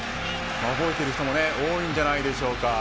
覚えている人も多いのではないでしょうか。